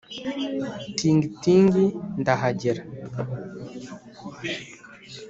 Tingi-tingi ndahagera